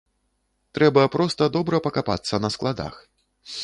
Трэба проста добра пакапацца на складах.